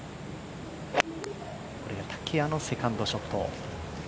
これが竹谷のセカンドショット。